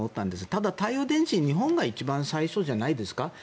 ただ、太陽電池は日本が一番最初じゃないですか。